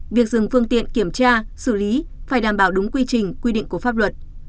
việc dừng phương tiện kiểm tra xử lý phải đảm bảo đúng quy trình quy định của pháp luật